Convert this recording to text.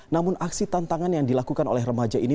namun aksi tantangan yang dilakukan oleh remaja ini